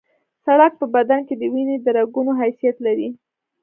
سړک په بدن کې د وینې د رګونو حیثیت لري